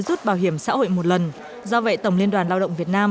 rút bảo hiểm xã hội một lần do vậy tổng liên đoàn lao động việt nam